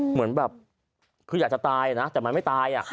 เหมือนแบบคืออยากจะตายนะแต่มันไม่ตาย